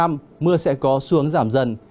mưa sẽ có xuống giảm dần